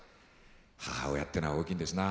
母親ってのは大きいんですな。